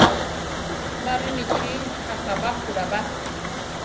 Ma rinichí akabápura ba.